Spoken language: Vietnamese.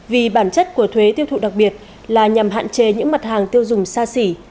vì bản chất của thuế tiêu thụ đặc biệt là nhằm hạn chế những mặt hàng tiêu dùng xa xỉ